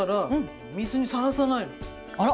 あら！